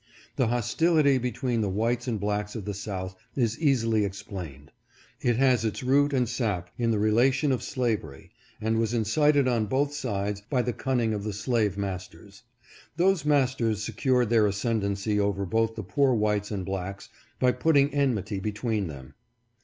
The hostility between the whites and blacks of the South is easily explained. It has its root and sap in the relation of slavery, and was incited on both sides by the cunning of the slave masters. Those masters secured their ascendency over both the poor whites and blacks by putting enmity between them.